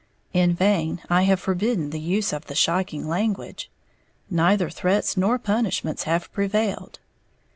In vain I have forbidden the use of the shocking language, neither threats nor punishments have prevailed.